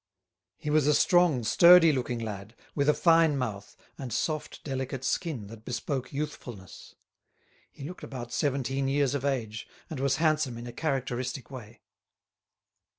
He was a strong, sturdy looking lad, with a fine mouth, and soft delicate skin that bespoke youthfulness. He looked about seventeen years of age, and was handsome in a characteristic way.